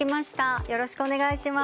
よろしくお願いします。